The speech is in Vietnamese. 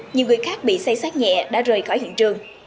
nhiều người khác bị xây sát nhẹ đã rời khỏi hiện trường